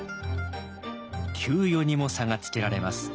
給与にも差がつけられます。